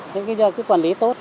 thế bây giờ cứ quản lý tốt